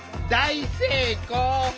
大成功！